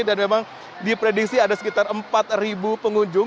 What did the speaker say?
dan memang diprediksi ada sekitar empat pengunjung